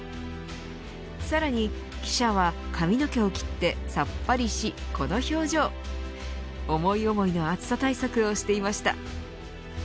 さらに記者は髪の毛を切ってさっぱりし、この表情。思い思いの暑さ対策をしていました。